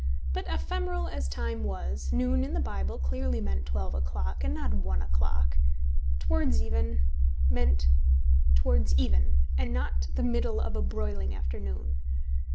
But ephemeral as Time was, noon in the Bible clearly meant twelve o'clock, and not one o'clock: towards even, meant towards even, and not the middle of a broiling afternoon.